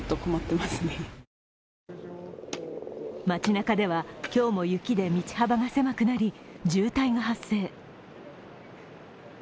町なかでは今日も雪で道幅が狭くなり、渋滞が発生。